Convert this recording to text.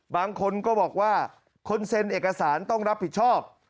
บางคนก็บอกว่าคนเซ็นเอกสารต้องรับผิดชอบ